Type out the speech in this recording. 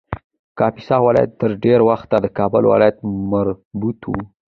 کاپیسا ولایت تر ډېر وخته د کابل ولایت مربوط و